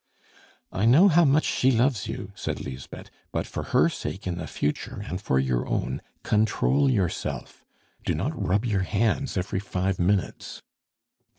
"I know how much she loves you," said Lisbeth. "But for her sake in the future, and for your own, control yourself. Do not rub your hands every five minutes."